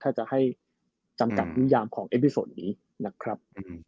ถ้าจะให้จำกัดวิญญาณของอันดับนี้นะครับ